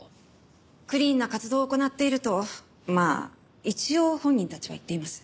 クリーンな活動を行っているとまあ一応本人たちは言っています。